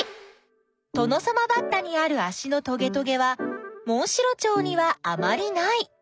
トノサマバッタにあるあしのトゲトゲはモンシロチョウにはあまりない。